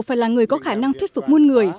phải là người có khả năng thuyết phục muôn người